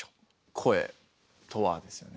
声とはですよね。